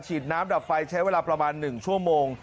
ฉีดน้ำดับไฟใช้เวลาประมาณ๑ชั่วโมง